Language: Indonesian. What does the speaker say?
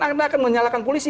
anda akan menyalahkan polisi